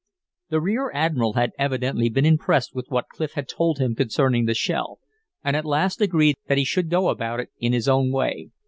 The rear admiral had evidently been impressed with what Clif had told him concerning the shell, and at last agreed that he should go about it in his own way.